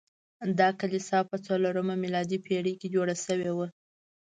دا کلیسا په څلورمه میلادي پیړۍ کې جوړه شوې وه.